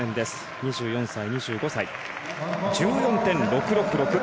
２４歳、２５歳。１４．６６６。